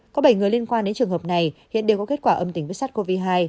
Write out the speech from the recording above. có bảy người liên quan đến trường hợp này hiện đều có kết quả âm tính với sars cov hai